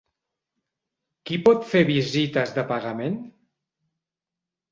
Qui pot fer visites de pagament?